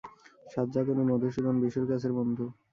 সাজ্জাদ, উনি মধুসুদন, বিশুর কাছের বন্ধু।